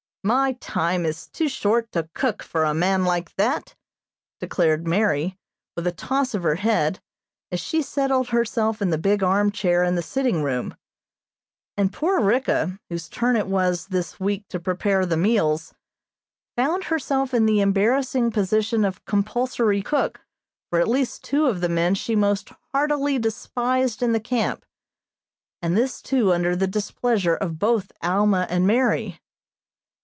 "My time is too short to cook for a man like that," declared Mary, with a toss of her head, as she settled herself in the big arm chair in the sitting room, and poor Ricka, whose turn it was this week to prepare the meals, found herself in the embarrassing position of compulsory cook for at least two of the men she most heartily despised in the camp, and this too under the displeasure of both Alma and Mary.